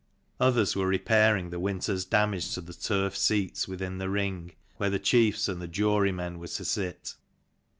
Others were repairing the winter's damage to the turf seats within the ring, where the chiefs and the jurymen were to sit.